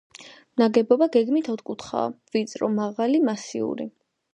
ნაგებობა გეგმით ოთკუთხაა, ვიწრო, მაღალი, მასიური.